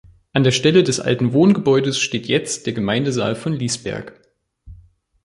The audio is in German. An der Stelle des alten Wohngebäudes steht jetzt der Gemeindesaal von Lißberg.